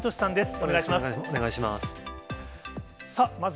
お願いします。